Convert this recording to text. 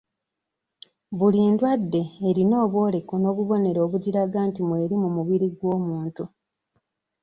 Buli ndwadde erina obwoleko n'obubonero obugiraga nti mweri mu mubiri gw'omuntu.